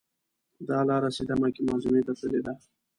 دا لاره سیده مکې معظمې ته تللې ده.